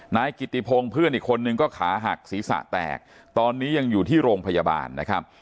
นายกิติพงศ์เพื่อนอีกคนนึงก็ขาหักศีรษะแตกตอนนี้ยังอยู่ที่โรงพยาบาลนะครับ